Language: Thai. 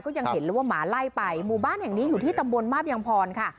ยังเห็นเลยว่าหมาไล่ไปหมู่บ้านแห่งนี้อยู่ที่ตำบลมาบยังพรค่ะ